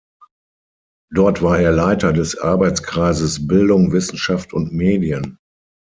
Dort war er Leiter des Arbeitskreises Bildung, Wissenschaft und Medien.